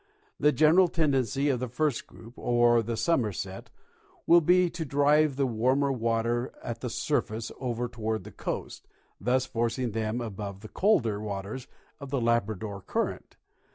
The general tendency of the first group, or the summer set, will be to drive the warmer waters at the sur face over toward the coast, thus forcing them above the colder waters of the Labrador current.